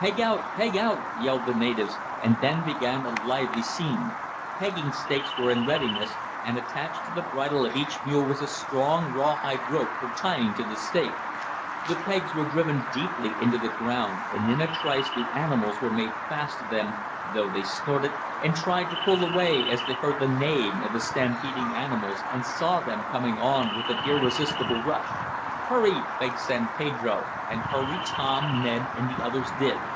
"Peg out! Peg out!" yelled the natives, and then began a lively scene. Pegging stakes were in readiness, and, attached to the bridle of each mule was a strong, rawhide rope for tying to the stake. The pegs were driven deeply into the ground and in a trice the animals were made fast to them, though they snorted, and tried to pull away as they heard the neighing of the stampeding animals and saw them coming on with an irresistible rush. "Hurry!" begged San Pedro, and hurry Tom, Ned and the others did.